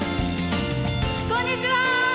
こんにちは！